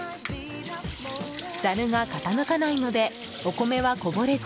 ザルが傾かないのでお米はこぼれず